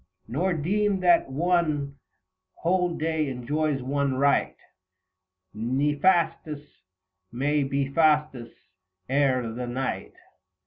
Nor deem that one whole day enjoys one right, ISTefastus may be Fastus ere the night.